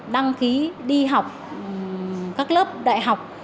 đăng ký đi học các lớp đại học